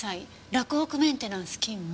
洛北メンテナンス勤務。